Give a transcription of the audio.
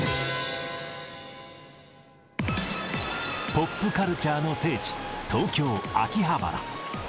ポップカルチャーの聖地、東京・秋葉原。